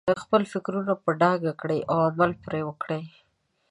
خپل فکرونه په ډاګه کړئ او عمل پرې وکړئ.